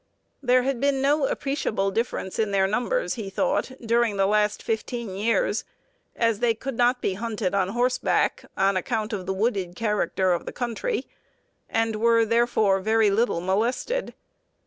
There had been no appreciable difference in their numbers, he thought, during the last fifteen years, as they could not be hunted on horseback, on account of the wooded character of the country, and were, therefore, very little molested.